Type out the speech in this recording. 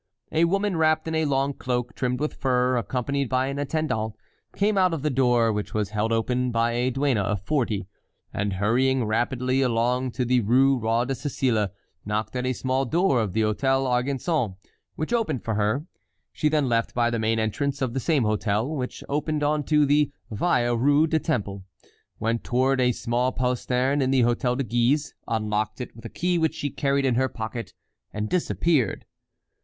A woman wrapped in a long cloak trimmed with fur, accompanied by an attendant, came out of the door which was held open by a duenna of forty, and hurrying rapidly along to the Rue Roi de Sicile, knocked at a small door of the Hôtel Argenson, which opened for her; she then left by the main entrance of the same hôtel which opened on to the Vieille Rue du Temple, went toward a small postern in the Hôtel de Guise, unlocked it with a key which she carried in her pocket, and disappeared.